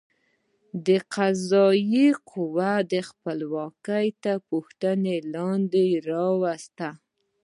د قضایه قوې خپلواکي تر پوښتنې لاندې راوسته.